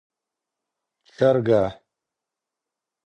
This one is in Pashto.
چرګه 🐓